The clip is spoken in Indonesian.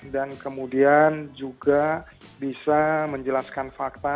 dan kemudian juga bisa menjelaskan fakta